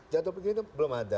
jadwal pembuktian itu belum ada